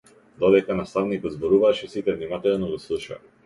Додека наставникот зборуваше сите внимателно го слушаа.